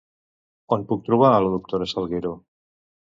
On puc trobar a la doctora Salguero?